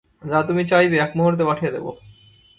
যা তুমি চাইবে এক মুহূর্তে পাঠিয়ে দেব।